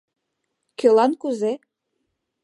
Кӧлан кузе.